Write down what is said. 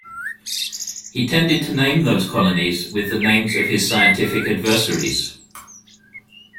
He tended to name those colonies with names of his scientific adversaries.